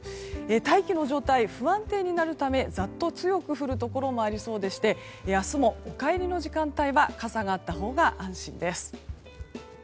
大気の状態、不安定になるためざっと強く降るところもありそうでして明日もお帰りの時間帯は傘があったほうが安心です。